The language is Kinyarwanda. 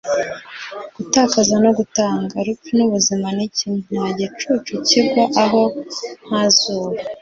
gutakaza no gutunga, urupfu n'ubuzima ni kimwe, nta gicucu kigwa aho nta zuba - hilaire belloc